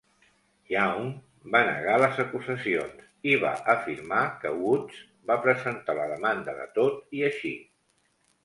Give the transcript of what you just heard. Young va negar les acusacions i va afirmar que Woods va presentar la demanda de tot i així.